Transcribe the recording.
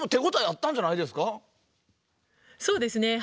「そうですね。